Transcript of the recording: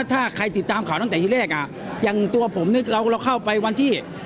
ถ้าใครติดตามข่าวตั้งแต่ที่แรกอ่ะอย่างตัวผมเนี่ยเราเข้าไปวันที่